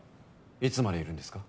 いつまでいるんですか？